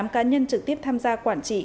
tám cá nhân trực tiếp tham gia quản trị